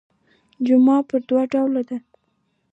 جمعه پر دوه ډوله ده.